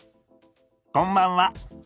こんばんは。